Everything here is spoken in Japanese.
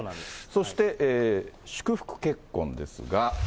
そして祝福結婚ですが。